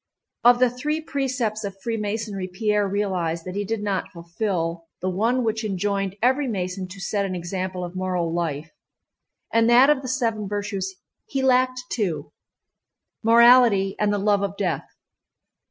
Of the three precepts of Freemasonry Pierre realized that he did not fulfill the one which enjoined every Mason to set an example of moral life, and that of the seven virtues he lacked two—morality and the love of death.